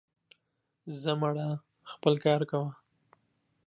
زه مړه, خپل کار کوه.